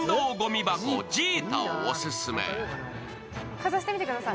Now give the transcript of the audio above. かざしてみてください。